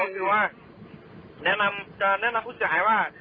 ก็คือว่าจะแนะนำผู้เสียหายว่า